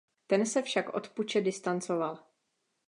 Ten se však od puče distancoval.